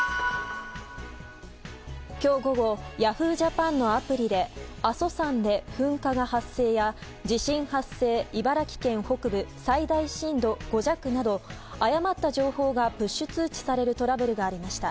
今日午後Ｙａｈｏｏ！ＪＡＰＡＮのアプリで阿蘇山で噴火が発生や地震発生茨城県北部最大震度５弱など誤った情報がプッシュ通知されるトラブルがありました。